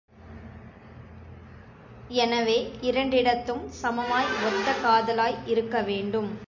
எனவே இரண்டிடத்தும் சமமாய் ஒத்த காதலாய் இருக்க வேண்டும்.